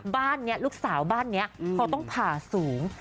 บ้านนี้ลูกสาวบ้านนี้เขาต้องผ่าสูง